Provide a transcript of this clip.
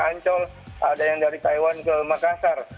ancol ada yang dari taiwan ke makassar